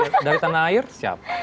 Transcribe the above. kalau dari tanah air siap